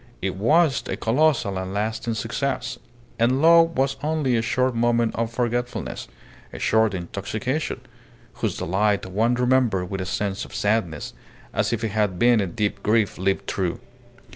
It was a colossal and lasting success; and love was only a short moment of forgetfulness, a short intoxication, whose delight one remembered with a sense of sadness, as if it had been a deep grief lived through.